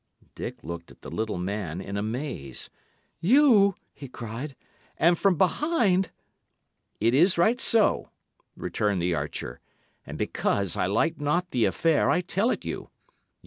Dick looked at the little man in amaze. "You!" he cried. "And from behind!" "It is right so," returned the archer; "and because I like not the affair I tell it you.